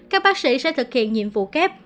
các bác sĩ sẽ thực hiện nhiệm vụ kép